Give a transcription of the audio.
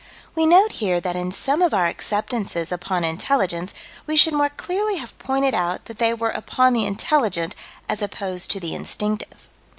We note here that in some of our acceptances upon intelligence we should more clearly have pointed out that they were upon the intelligent as opposed to the instinctive.